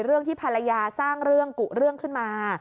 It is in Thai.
เรื่องที่ภรรยาสร้างเรื่องกุเรื่องขึ้นมา